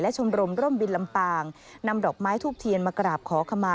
ชมรมร่มบินลำปางนำดอกไม้ทูบเทียนมากราบขอขมา